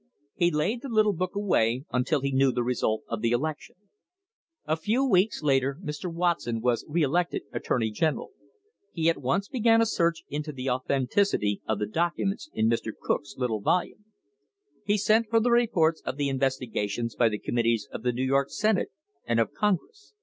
He laid the little book away until he knew the result of the election. A few weeks later Mr. Watson was re elected attorney general. He at once began a search into the authenticity of the documents in Mr. Cook's little volume. He sent for the reports of the investigations by the committees of the New York Senate and of Congress.